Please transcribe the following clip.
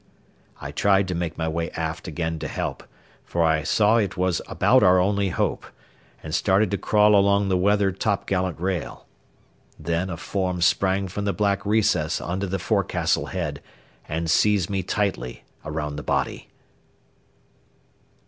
I tried to make my way aft again to help, for I saw it was about our only hope, and started to crawl along the weather topgallant rail. Then a form sprang from the black recess under the forecastle head and seized me tightly around the body.